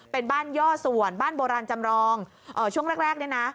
เป็นบ้านย่อส่วนบ้านโบราณจำรองช่วงแรกแรกเนี่ยนะ